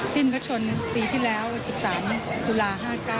สิ้นพระชนปีที่แล้ว๑๓ตุลา๕๙